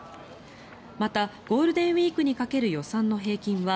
またゴールデンウィークにかける予算の平均は